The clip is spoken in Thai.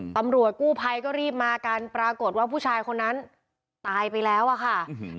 ตำรวจกู้ภัยก็รีบมากันปรากฏว่าผู้ชายคนนั้นตายไปแล้วอะค่ะ